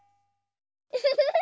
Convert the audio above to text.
ウフフフ。